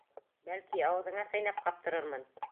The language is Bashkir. Бәлки, ауыҙыңа сәйнәп ҡаптырырмын?